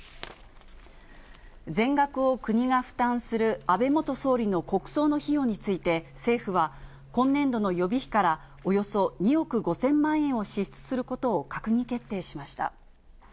全額を国が負担する安倍元総理の国葬の費用について、政府は、今年度の予備費からおよそ２億５０００万円を支出することを閣議決定しました。